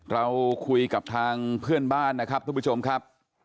เราคุยกับทางเพื่อนบ้านนะครับทุกผู้ชมครับ